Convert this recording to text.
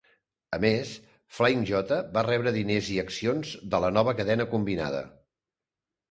A més, Flying J va rebre diners i accions de la nova cadena combinada.